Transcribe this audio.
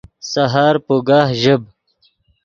سحر پوگہ ژیب